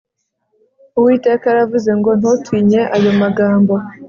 uwiteka aravuze ngo ntutinye ayo magambo